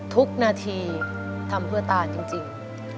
ทุกนาทีทำเพื่อตาจริง